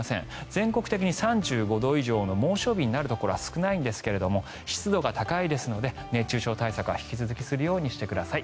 全国的に３５度以上の猛暑日になるところは少ないんですが湿度が高いですので熱中症対策は引き続きするようにしてください。